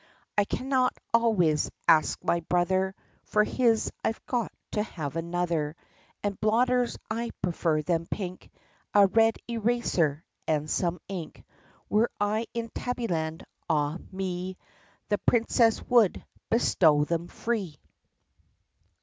I cannot always ask my brother For his, I ' ve got to have another ! And blotters — I prefer them pink — A red eraser, and some ink.) Were I in Tabbyland — ah, me !— The Princess would bestow them free!